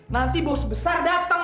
nanti bos besar datang